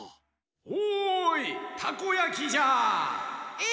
おいたこやきじゃ！え？